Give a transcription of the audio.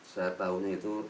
saya taunya itu